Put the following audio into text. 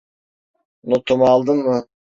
Notumu aldın mı?